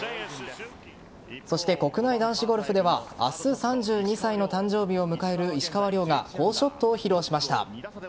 そして、国内男子ゴルフでは明日、３２歳の誕生日を迎える石川遼が好ショットを披露しました。